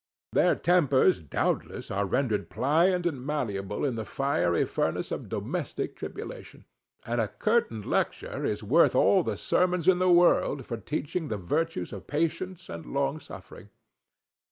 Their tempers, doubtless, are rendered pliant and malleable in the fiery furnace of domestic tribulation; and a curtain lecture is worth all the sermons in the world for teaching the virtues of patience and long suffering.